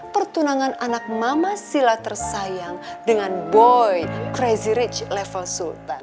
pertunangan anak mama sila tersayang dengan boy crazy rich level sultan